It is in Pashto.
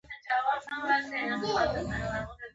ناول په کومه ځانګړې سیمه پورې محدود نه دی.